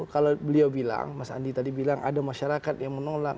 kalau beliau bilang mas andi tadi bilang ada masyarakat yang menolak